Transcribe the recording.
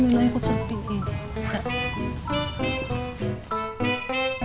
mina ikut seperti ini